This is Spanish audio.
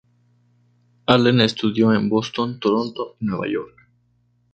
Allen estudió en Boston, Toronto y Nueva York.